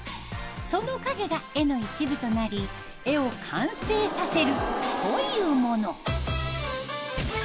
その影が絵の一部となり絵を完成させるというもの。